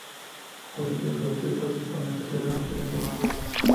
Poco antes de su retiro, participó en la tercera Conferencia en Puebla.